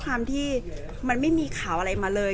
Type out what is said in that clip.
แต่ว่าสามีด้วยคือเราอยู่บ้านเดิมแต่ว่าสามีด้วยคือเราอยู่บ้านเดิม